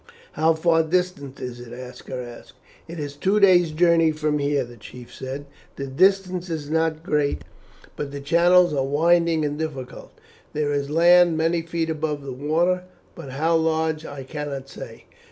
"How far distant is it?" Aska asked. "It is two days' journey from here," the chief said. "The distance is not great, but the channels are winding and difficult. There is land many feet above the water, but how large I cannot say.